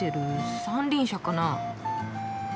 三輪車かな？